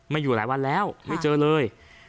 อยู่หลายวันแล้วไม่เจอเลย